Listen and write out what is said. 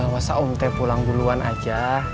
masa om te pulang duluan aja